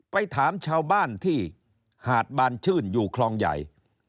ไปถามชาวบ้านที่หาดบานชื่นอยู่คลองใหญ่